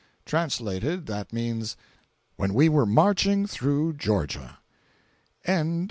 Translated, that means "When we were marching through Georgia." 472.